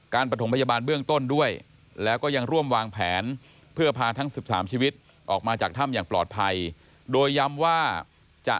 ประถมพยาบาลเบื้องต้นด้วยแล้วก็ยังร่วมวางแผนเพื่อพาทั้ง๑๓ชีวิตออกมาจากถ้ำอย่างปลอดภัยโดยย้ำว่าจะ